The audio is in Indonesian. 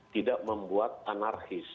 tidak membuat anarkis